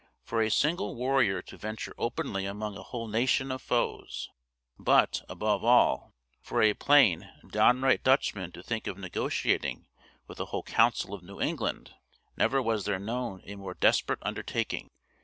For a single warrior to venture openly among a whole nation of foes but, above all, for a plain, downright Dutchman to think of negotiating with the whole council of New England! never was there known a more desperate undertaking!